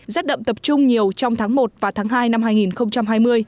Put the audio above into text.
rét đậm tập trung nhiều trong tháng một và tháng hai năm hai nghìn hai mươi